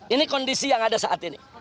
ini kondisi yang ada saat ini